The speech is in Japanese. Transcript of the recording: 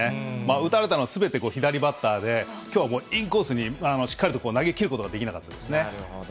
打たれたのはすべて左バッターで、きょうはインコースにしっかりと投げきることができなかったです